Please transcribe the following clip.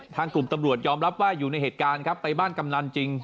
ทางกลุ่มตำรวจยอมรับว่าอยู่ในเหตุการณ์ครับไปบ้านกำนันจริง